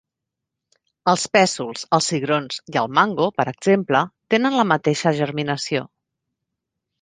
Els pèsols, els cigrons i el mango, per exemple, tenen la mateixa germinació.